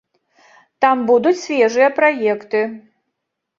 Там будуць свежыя праекты.